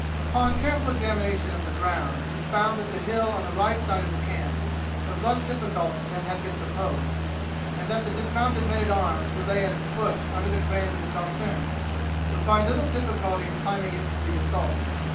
Upon a careful examination of the ground it was found that the hill on the right side of the camp was less difficult than had been supposed, and that the dismounted men at arms who lay at its foot under the command of the Dauphin would find little difficulty in climbing it to the assault.